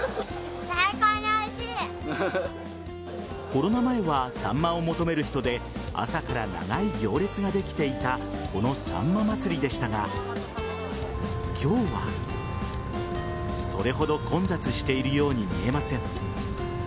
コロナ前はサンマを求める人で朝から長い行列ができていたこのさんま祭でしたが今日はそれほど混雑しているように見えません。